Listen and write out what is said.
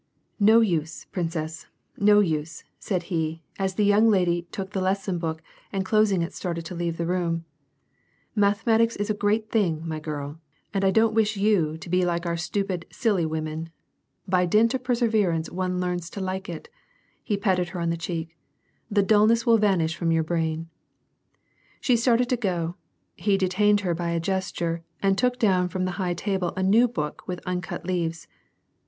"No use, princess, no use," said he, as the young lady took the lesson book, and closing it started to leave the room :" mathematics is a great thing, my girl, and I don't wish you to be like our stupid, silly women. By dint of perseverance one learns to like it," he patted her on the cheek " the dulness will vanish from your brain." She started to go ; he detained her by a gesture, and took down fiom the high table a new book with uncut leaves.